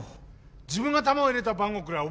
自分が玉を入れた番号くらい覚えてろよ！